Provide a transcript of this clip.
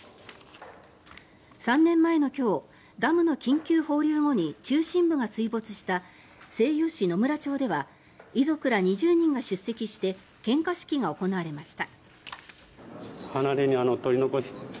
３年前の今日ダムの緊急放流後に中心部が水没した西予市野村町では遺族ら２０人が出席して献花式が行われました。